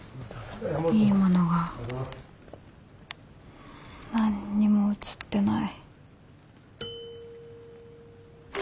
いいものが何にも写ってない。